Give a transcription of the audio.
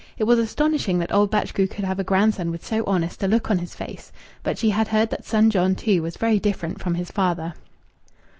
It was astonishing that old Batchgrew could have a grandson with so honest a look on his face, but she had heard that son John, too, was very different from his father.